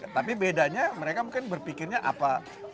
tapi bedanya mereka mungkin berpikirnya apa